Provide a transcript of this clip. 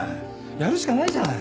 やるしかないじゃない。